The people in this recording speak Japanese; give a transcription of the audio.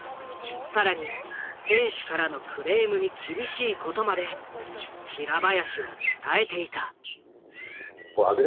更に選手からのクレームに厳しいことまで平林は伝えていた。